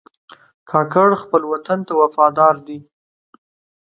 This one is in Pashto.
کاکړ خپل وطن ته وفادار دي.